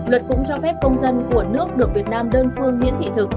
luật cũng cho phép công dân của nước được việt nam đơn phương miễn thị thực